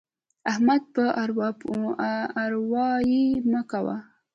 احمده! بد اروايي مه کوه.